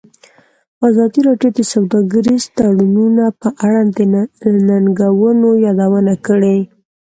ازادي راډیو د سوداګریز تړونونه په اړه د ننګونو یادونه کړې.